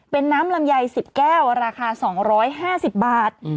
เป็นน้ำลำไย๑๐แก้วราคา๒๕๐บาท